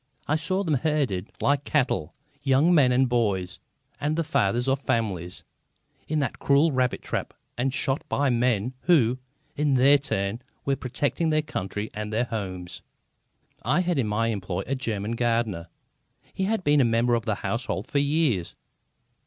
I saw them herded like cattle, young men and boys and the fathers of families, in that cruel rabbit trap and shot by men who, in their turn, were protecting their country and their homes. I have in my employ a German gardener. He has been a member of the household for years.